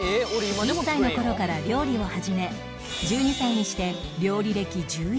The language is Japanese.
１歳の頃から料理を始め１２歳にして料理歴１１年